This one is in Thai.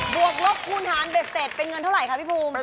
บวกลบคุณฐานเบสเต็ดเป็นเงินเท่าไรครับพี่ภูมิ